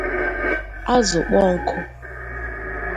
azụ kpọnkụ